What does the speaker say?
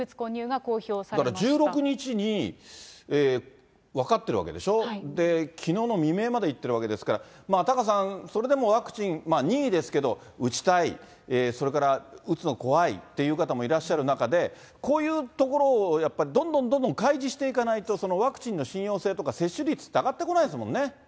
だから１６日に分かってるわけでしょう、きのうの未明までいってるわけですから、タカさん、それでもワクチン、任意ですけど、打ちたい、それから打つの怖いっていう方もいらっしゃる中で、こういうところをやっぱりどんどんどんどん開示していかないと、ワクチンの信用性とか、接種率って上がってこないですもんね。